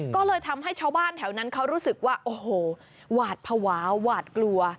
ก็เลยทำให้ชาวบ้านแถวนั้นเขารู้สึกว่าโอ้โหหวาดภาวะหวาดกลัว